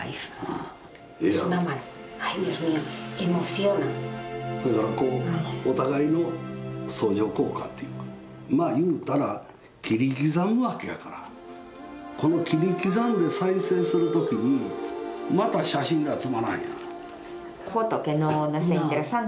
せやからこうお互いの相乗効果というかまあ言うたら切り刻むわけやからこの切り刻んで再生する時にまた写真ではつまらんやん。